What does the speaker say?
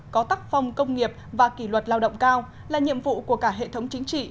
có tắc phong công nghiệp và kỷ luật lao động cao là nhiệm vụ của cả hệ thống chính trị